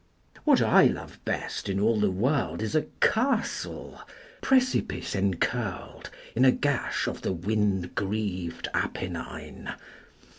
What I love best in all the world Is a castle, precipice encurled, 15 In a gash of the wind grieved Apennine.